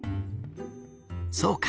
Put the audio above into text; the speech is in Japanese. そうか。